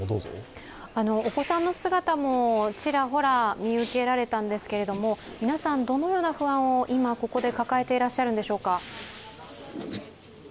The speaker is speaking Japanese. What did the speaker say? お子さんの姿もちらほら見受けられたんですけれども皆さん、どのような不安を今ここで抱えていらっしゃるのでしょうか。